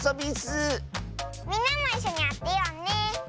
みんなもいっしょにあてようねえ。